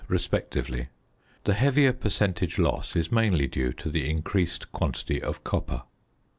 respectively. The heavier percentage loss is mainly due to the increased quantity of copper.